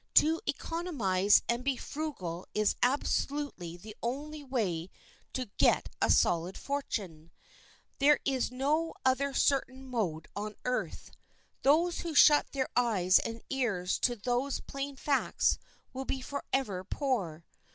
To economize and be frugal is absolutely the only way to get a solid fortune; there is no other certain mode on earth. Those who shut their eyes and ears to these plain facts will be forever poor.